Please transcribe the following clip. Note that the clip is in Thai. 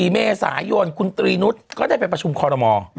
๔เมษายนคุณตรีนุษย์ก็ได้ไปประชุมคอรมอ